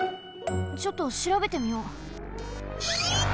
ちょっとしらべてみよう。